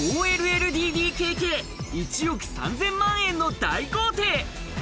５ＬＬＤＤＫＫ、１億３０００万円の大豪邸。